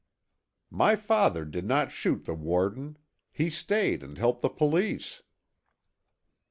"My father did not shoot the warden; he stayed and helped the police."